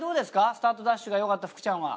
スタートダッシュがよかった福ちゃんは。